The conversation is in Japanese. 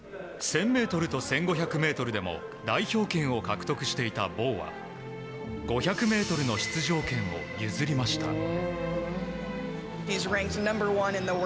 １０００ｍと１５００ｍでも代表権を獲得していたボウは５００ｍの出場権を譲りました。